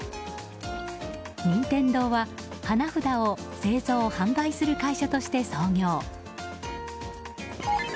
任天堂は、花札を製造・販売する会社として創業。